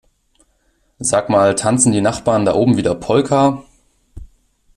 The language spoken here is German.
Sag mal tanzen die Nachbarn da oben wieder Polka?